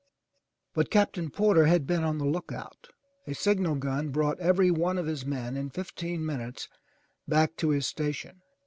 But Captain Porter had been on the look out. A signal gun brought every one of his men in fifteen minutes back to his station.